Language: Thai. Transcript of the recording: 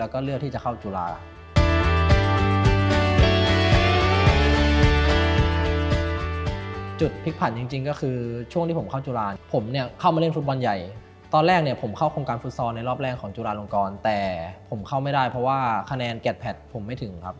เข้าไม่ได้เพราะว่าคะแนนแกะแผดผมไม่ถึงครับ